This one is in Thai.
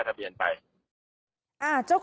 คนที่ใส่เชื้อบอกว่า